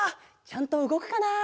ちゃんとうごくかな？